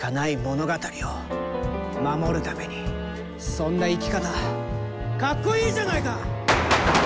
そんな生き方かっこいいじゃないか！